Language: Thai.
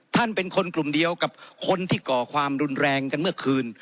ท่านเป็นคนกลุ่มเดียวกับคนที่ก่อความรุนแรงกันเมื่อคืน